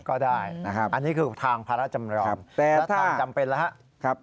ก็ได้อันนี้ก็คือทางพระราชยำยอมแล้วทางจำเป็นล่ะครับ